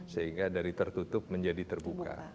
sehingga dari tertutup menjadi terbuka